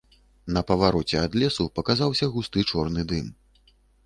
На павароце ад лесу паказаўся густы чорны дым.